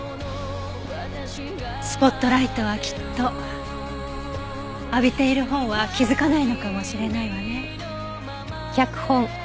スポットライトはきっと浴びているほうは気づかないのかもしれないわね。